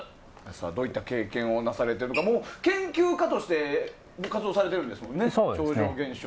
どういった経験をなされているか研究家として活動されているんですもんね？